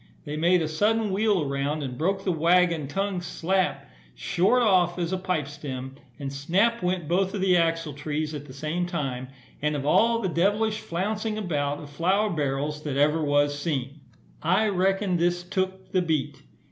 They made a sudden wheel around, and broke the waggon tongue slap, short off, as a pipe stem; and snap went both of the axletrees at the same time, and of all devlish flouncing about of flour barrels that ever was seen, I reckon this took the beat.